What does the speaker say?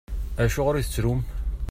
Acuɣeṛ i tettrum?